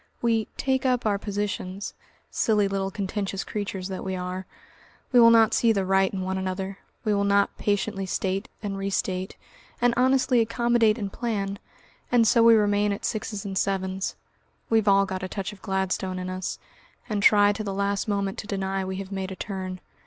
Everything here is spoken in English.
We "take up our positions," silly little contentious creatures that we are, we will not see the right in one another, we will not patiently state and restate, and honestly accommodate and plan, and so we remain at sixes and sevens. We've all a touch of Gladstone in us, and try to the last moment to deny we have made a turn.